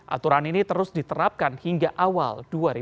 aturan ini terus diterapkan hingga awal dua ribu dua puluh